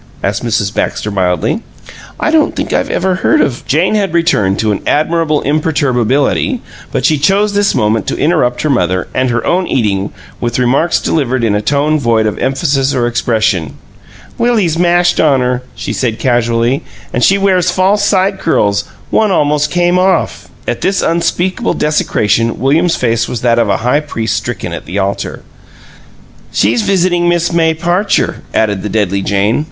asked Mrs. Baxter, mildly. "I don't think I've ever heard of " Jane had returned to an admirable imperturbability, but she chose this moment to interrupt her mother, and her own eating, with remarks delivered in a tone void of emphasis or expression. "Willie's mashed on her," she said, casually. "And she wears false side curls. One almost came off." At this unspeakable desecration William's face was that of a high priest stricken at the altar. "She's visitin' Miss May Parcher," added the deadly Jane.